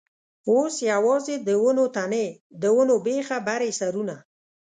اوس یوازې د ونو تنې، د ونو بېخه برې سرونه.